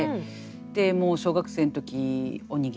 もう小学生の時おにぎり握って。